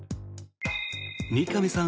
二上さん